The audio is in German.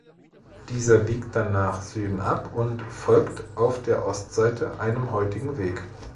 Dieser biegt dann nach Süden ab und folgt auf der Ostseite einem heutigen Weg.